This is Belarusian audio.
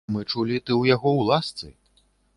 Мы чулі, ты ў яго ў ласцы.